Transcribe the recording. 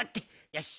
よし。